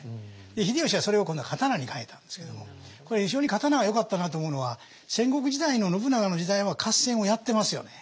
秀吉はそれを今度は刀に替えたんですけどもこれ非常に刀はよかったなと思うのは戦国時代の信長の時代は合戦をやってますよね。